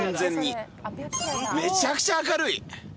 めちゃくちゃ明るい。